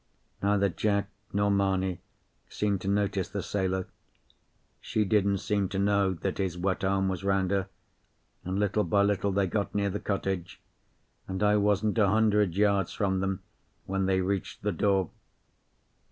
Neither Jack nor Mamie seemed to notice the sailor. She didn't seem to know that his wet arm was round her, and little by little they got near the cottage, and I wasn't a hundred yards from them when they reached the door.